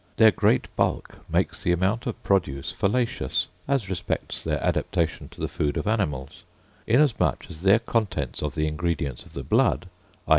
Their great bulk makes the amount of produce fallacious, as respects their adaptation to the food of animals, inasmuch as their contents of the ingredients of the blood, i.